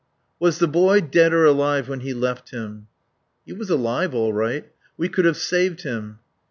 "Was the boy dead or alive when he left him?" "He was alive all right. We could have saved him."